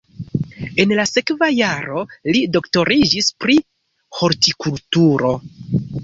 En la sekva jaro li doktoriĝis pri hortikulturo.